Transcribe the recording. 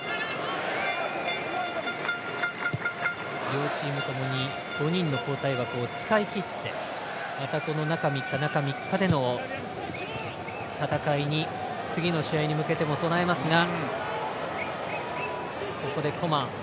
両チームともに５人の交代枠を使い切ってまた、この中３日での戦いに次の試合に向けても備えますが。